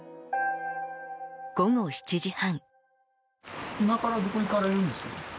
午後７時半。